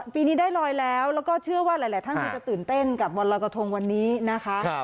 ปีนี้ได้ลอยแล้วแล้วก็เชื่อว่าหลายท่านคงจะตื่นเต้นกับวันรอยกระทงวันนี้นะคะ